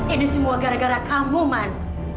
ini semua gara gara kamu man